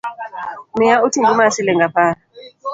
Miya otungu mar siling’ apar